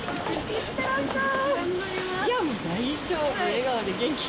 いってらっしゃい。